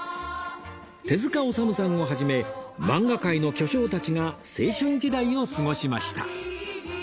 手治虫さんを始めマンガ界の巨匠たちが青春時代を過ごしました